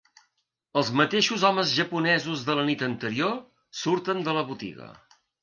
Els mateixos homes japonesos de la nit anterior surten de la botiga.